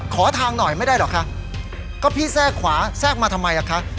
ขอทางหน่อยไม่ได้เหรอคะก็พี่แทรกขวาแทรกมาทำไมล่ะคะ